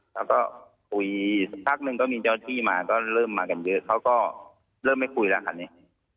แล้วก็คุยสักพักหนึ่งก็มีเจ้าที่มาก็เริ่มมากันเยอะเขาก็เริ่มไม่คุยแล้วคันนี้